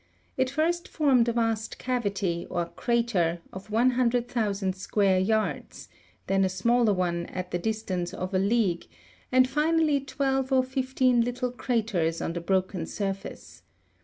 It first formed a vast cavity, or crater, of 100,000 square yards, then a smaller one at the distance of a league, and finally twelve or fifteen little craters on the broken surface.